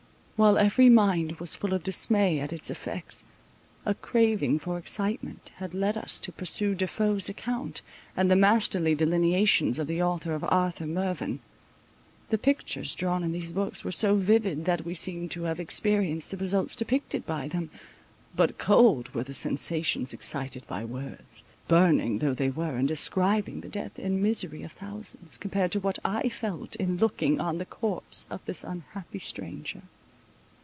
While every mind was full of dismay at its effects, a craving for excitement had led us to peruse De Foe's account, and the masterly delineations of the author of Arthur Mervyn. The pictures drawn in these books were so vivid, that we seemed to have experienced the results depicted by them. But cold were the sensations excited by words, burning though they were, and describing the death and misery of thousands, compared to what I felt in looking on the corpse of this unhappy stranger.